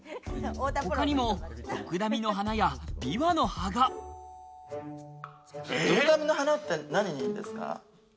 他にもドクダミの花やびわのドクダミの花って何にいいんですか？